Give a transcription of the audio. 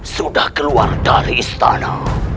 sudah keluar dari istana